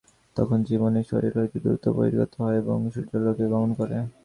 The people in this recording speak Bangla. তখন জীব এই শরীর হইতে দ্রুত বহির্গত হয়, এবং সূর্যলোকে গমন করে।